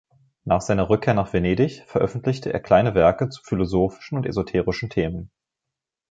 Nach seiner Rückkehr nach Venedig veröffentlichte er kleine Werke zu philosophischen und esoterischen Themen.